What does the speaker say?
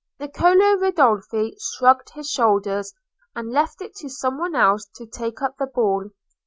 Niccolò Ridolfi shrugged his shoulders, and left it to some one else to take up the ball.